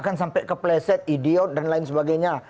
kan sampai kepleset idiot dan lain sebagainya